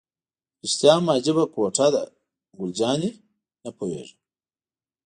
رښتیا هم عجیبه کوټه ده، ګل جانې: نه پوهېږم.